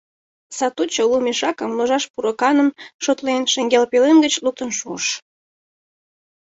Сатучо лу мешакым, ложаш пураканым, шотлен, шеҥгел пӧлем гыч луктын пуыш.